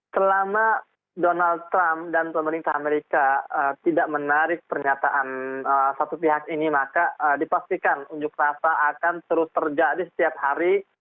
selama donald trump dan pemerintah amerika tidak menarik pernyataan satu pihak ini maka dipastikan unjuk rasa akan terus terjadi setiap hari